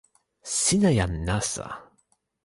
sina jan nasa.